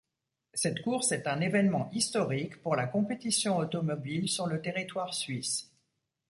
Cette course est un événement historique pour la compétition automobile sur le territoire suisse.